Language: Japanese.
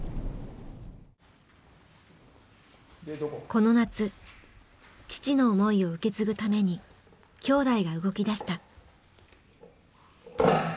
この夏父の思いを受け継ぐために兄弟が動き出した。